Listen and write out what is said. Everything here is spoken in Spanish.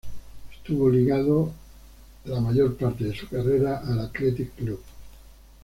Estuvo ligado la mayor parte de su carrera al Athletic Club.